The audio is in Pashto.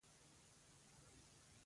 باز کله هم له ښکار لاس نه اخلي